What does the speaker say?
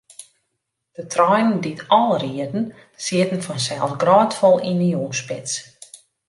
De treinen dy't ál rieden, sieten fansels grôtfol yn 'e jûnsspits.